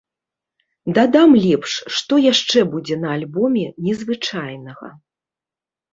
Дадам лепш, што яшчэ будзе на альбоме незвычайнага.